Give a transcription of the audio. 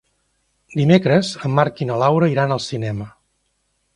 Dimecres en Marc i na Laura iran al cinema.